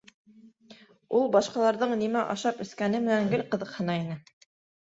Ул башҡаларҙың нимә ашап-эскәне менән гел ҡыҙыҡһына ине.